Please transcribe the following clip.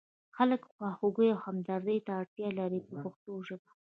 خلک خواخوږۍ او همدردۍ ته اړتیا لري په پښتو ژبه.